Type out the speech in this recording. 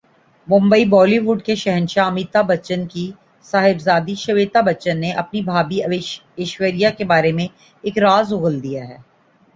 Mumbai Bollywood کے شہنشاہ امیتابھبچن کی صاحبزادی شویتا بچن نے اپنی بھابھی ایشوریا کے بارے ایک راز اگل دیا ہے